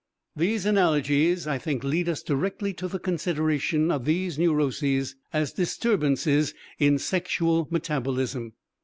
These analogies, I think, lead us directly to the consideration of these neuroses as disturbances in sexual metabolism.